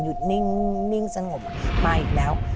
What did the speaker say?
นิ่งสงบมาอีกแล้ว